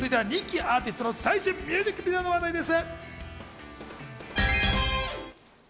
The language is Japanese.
続いては人気アーティストの最新ミュージックビデオの話題です。